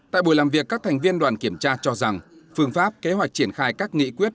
tại buổi làm việc các thành viên đoàn kiểm tra cho rằng phương pháp kế hoạch triển khai các nghị quyết